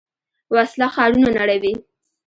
وسله ښارونه نړوي